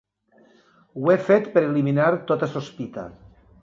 Ho he fet per eliminar tota sospita.